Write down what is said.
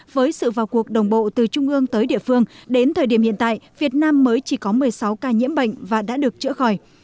với sự vào cuộc đồng bộ từ trung ương tới địa phương đến thời điểm hiện tại việt nam mới chỉ có một mươi sáu ca nhiễm bệnh và đã được chữa khỏi